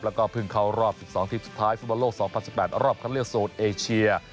แล้วก็เพิ่งเข้ารอบ๑๒ที่สุดท้ายสวรรค์๒๐๑๘รอบคำเรียกโซนเอเชีย